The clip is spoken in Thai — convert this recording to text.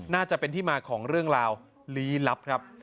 น่าจะเป็นที่มาของเรื่องราวลี้ลับครับ